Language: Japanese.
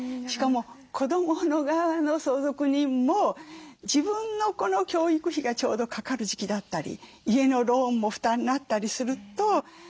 しかも子どもの側の相続人も自分の子の教育費がちょうどかかる時期だったり家のローンも負担になったりすると。